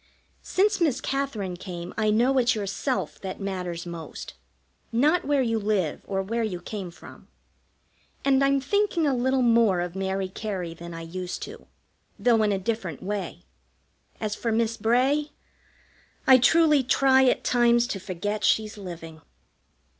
Since Miss Katherine came I know it's yourself that matters most, not where you live or where you came from, and I'm thinking a little more of Mary Cary than I used to, though in a different way. As for Miss Bray, I truly try at times to forget she's living.